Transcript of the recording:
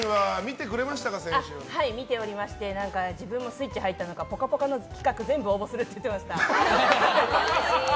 見ておりまして自分もスイッチが入ったのか「ぽかぽか」の企画全部応募するって言ってました。